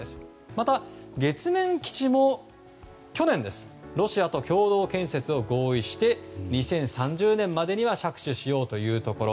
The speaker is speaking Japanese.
また月面基地も去年ロシアと共同建設を合意して２０３０年までには着手しようというところ。